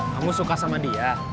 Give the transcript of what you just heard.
kamu suka sama dia